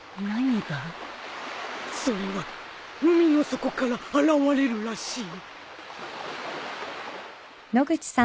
それは海の底から現れるらしい。